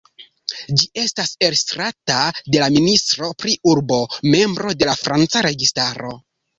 Ĝi estas estrata de la ministro pri urbo, membro de la franca registaro.